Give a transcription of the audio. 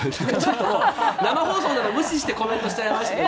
生放送だから無視してコメントしちゃいましたけど。